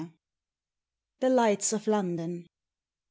VI. THE LIGHTS OF LONDON.